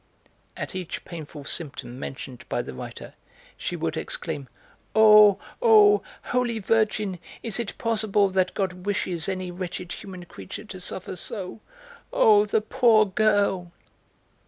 At each painful symptom mentioned by the writer she would exclaim: "Oh, oh, Holy Virgin, is it possible that God wishes any wretched human creature to suffer so? Oh, the poor girl!"